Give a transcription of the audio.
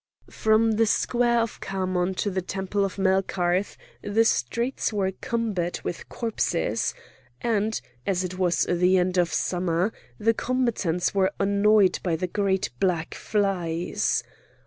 From the square of Khamon to the temple of Melkarth the streets were cumbered with corpses; and, as it was the end of the summer, the combatants were annoyed by great black flies.